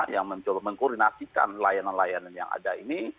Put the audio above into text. yang mencoba mengkoordinasikan layanan layanan yang ada ini